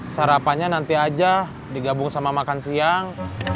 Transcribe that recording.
sarapannya nanti aja digabung sama makan siang